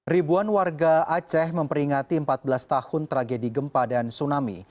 ribuan warga aceh memperingati empat belas tahun tragedi gempa dan tsunami